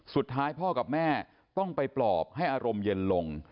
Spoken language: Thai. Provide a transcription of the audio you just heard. สุดท้ายพ่อกับแม่ต้องไปปลอบให้อารมณ์เย็นลง